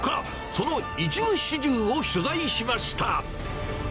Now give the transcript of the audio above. その一部始終を取材しました。